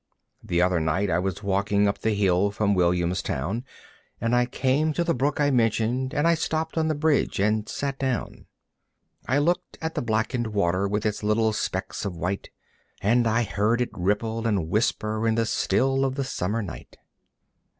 The other night I was walking up the hill from Williamstown And I came to the brook I mentioned, and I stopped on the bridge and sat down. I looked at the blackened water with its little flecks of white And I heard it ripple and whisper in the still of the Summer night.